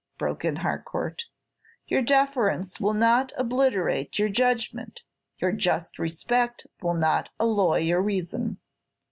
broke in Harcourt; "your deference will not obliterate your judgment; your just respect will not alloy your reason."